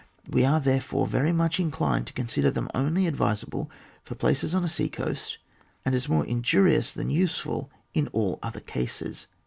We are, therefore, very much inclined to consider them only advisable for places on a sea coast, and as more injurious than useful in all other cases.